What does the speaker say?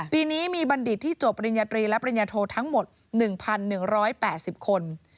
ปีนี้มีบัณฑิตที่จบปริญญาตรีและปริญญาโททั้งหมด๑๑๘๐คน